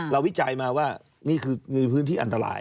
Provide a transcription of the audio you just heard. วิจัยมาว่านี่คือในพื้นที่อันตราย